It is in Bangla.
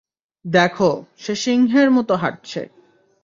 দেখ, সে সিংহের মতো হাঁটছে।